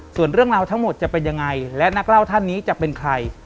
ส่วนเรื่องราวทั้งหมดจะเป็นยังไงและนักเล่าท่านนี้จะเป็นใคร